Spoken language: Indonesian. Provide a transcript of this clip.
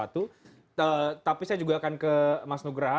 tapi saya juga akan ke mas nugraha